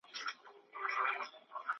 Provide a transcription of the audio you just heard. یا د شپې یا به سبا بیرته پیدا سو ,